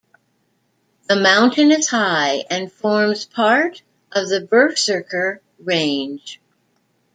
The mountain is high, and forms part of the Berserker Range.